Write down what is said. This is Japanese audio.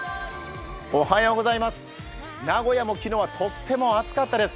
名古屋も昨日はとっても暑かったです。